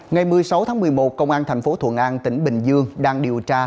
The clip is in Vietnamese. ngày một mươi sáu tháng một mươi một công an tp thuận an tỉnh bình dương đang điều tra